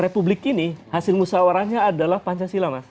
republik ini hasil musawarahnya adalah pancasila mas